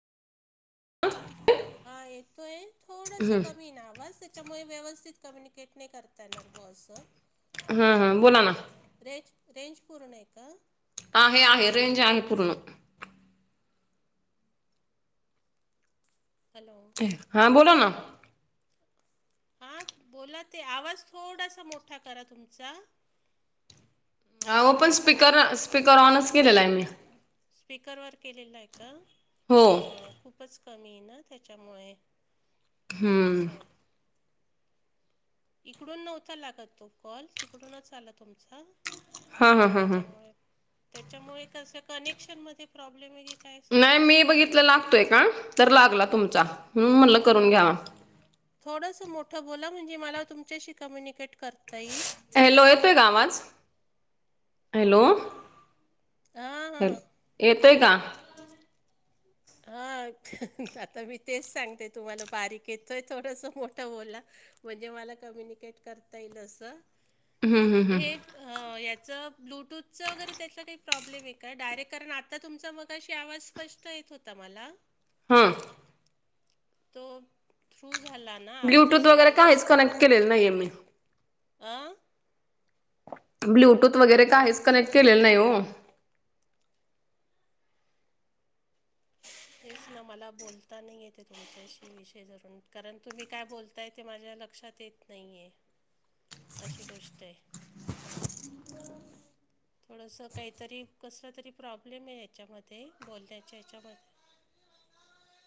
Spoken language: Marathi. हा येतोय थोडस कमी ना आवाज त्याच्यामुळे व्यवस्थित कम्युनिकेट नाही करता येणार बस हा हा बोला ना. रेंज रेंज पूर्ण नाही का?? ह आहे रेंज आन पूर्ण. हॅलो हां बोला ना. हा बोला ते आवाज थोडासा मोठा करा तुमचा हा पण स्पीकर स्पीकर ऑनच केलेला आहे मी स्पीकरवर केलेलं आहे का हो खूपच कमी आहे ना त्याच्यामुळे हम्म असं आहे इकडून नव्हता लागत तो कॉल तिकडूनच आला तुमचा हा हा हा हा त्याच्यामुळे त्याच्यामुळे कस कनेक्शन म प्रॉब्लेम आहे क. नाही मी बघितलं लागतोय का तर लागला तुमचा म्हणून म्हणल करून घ्यावा. थोडस मोठं बोला म्हणजे मला तुमच्याशी कम्युनिकेट करता येईल. हॅलो येतोय आवाज हॅलो. हा हा. येतय का? ह हा आता मी तेच सांगते तुम्हाला बारीक येतोय थोडंसं मोठं बोला. म्हणजे मला कम्यनिकेट करता येईल अस हम्म हम्म हम्म. हे याचं ब्लूटूथचं वगैरे त्यातला काही प्रॉब्लेम आहे का डायरेक्ट कारण आता तुमचं मग कशी आवाज स्पष्ट येत होता मला हा तो थ्रू झाला ना ब्ल्यूटूथ आवाजाचा वगैरे म्हणजे. काहीच कनेक्ट केलेलं नाहीये मी आं ब्लूटूथ वगैरे हॅलो? काहीच कनेक्ट केलेलं नाही ओ तेच ना मला बोलता नाही येते तुमच्याशी विषय धरून कारण तुम्ही काय बोलताय ते माझ्या लक्षात येत नाही आहे ह [unintelligible] असे गोष्ट आहे थोडंसं काहीतरी कसला तरी प्रॉब्लेम आहे याच्यामध्ये बोलण्याच्या हच्यामध्ये